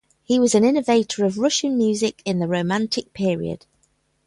He was an innovator of Russian music in the romantic period.